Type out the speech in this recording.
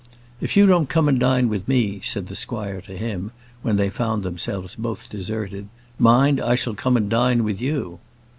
"If you don't come and dine with me," said the squire to him, when they found themselves both deserted, "mind I shall come and dine with you."